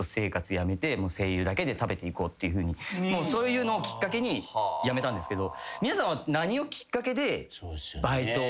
そういうのをきっかけに辞めたんですけど皆さんは。